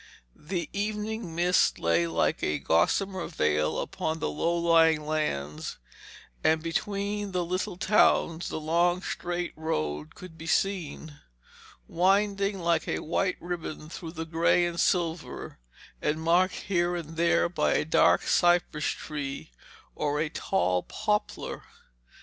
The evening mist lay like a gossamer veil upon the low lying lands, and between the little towns the long straight road could be seen, winding like a white ribbon through the grey and silver, and marked here and there by a dark cypress tree or a tall poplar.